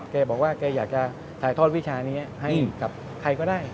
แกบอกว่าแกอยากจะถ่ายทอดวิชานี้ให้กับใครก็ได้